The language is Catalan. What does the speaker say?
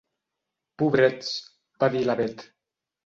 Pobrets —va dir la Bet—.